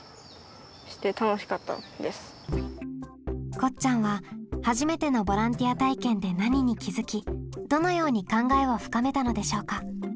こっちゃんは初めてのボランティア体験で何に気づきどのように考えを深めたのでしょうか？